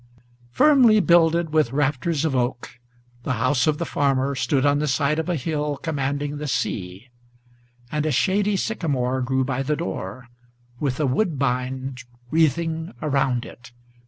Firmly builded with rafters of oak, the house of the farmer Stood on the side of a hill commanding the sea; and a shady Sycamore grew by the door, with a woodbine wreathing around it.